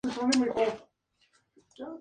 La sede del condado es Akron.